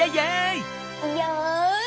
よし！